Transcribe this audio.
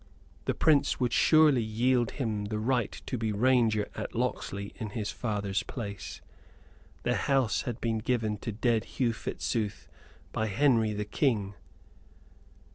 The Prince would surely yield him the right to be Ranger at Locksley in his father's place! The house had been given to dead Hugh Fitzooth by Henry, the King.